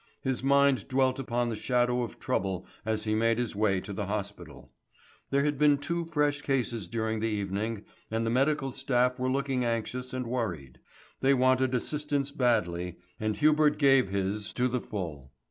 His mind dwelt upon the shadow of trouble as he made his way to the hospital. There had been two fresh cases during the evening and the medical staff were looking anxious and worried. They wanted assistance badly, and Hubert gave his to the full.